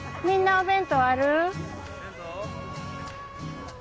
みんなお弁当ある？